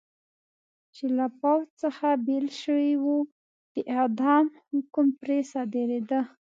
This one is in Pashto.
چې له پوځ څخه بېل شوي و، د اعدام حکم پرې صادرېده.